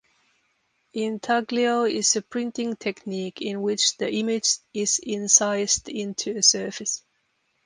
Intaglio is a printing technique in which the image is incised into a surface.